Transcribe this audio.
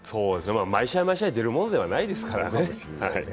毎試合毎試合出るもんではないですからね。